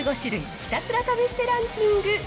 ひたすら試してランキング。